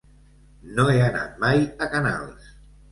No he anat mai a Canals.